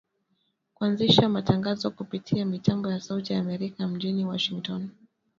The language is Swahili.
kuanzisha matangazo kupitia mitambo ya Sauti ya Amerika mjini Washington